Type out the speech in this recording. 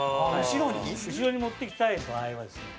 後ろに持ってきたい場合はですね